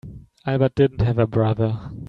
Albert didn't have a brother.